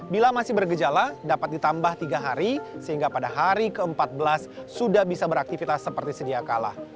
bila masih bergejala dapat ditambah tiga hari sehingga pada hari ke empat belas sudah bisa beraktivitas seperti sedia kalah